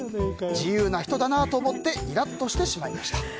自由な人だなと思ってイラッとしてしまいました。